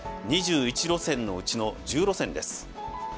２１路線のうちの１０路線です。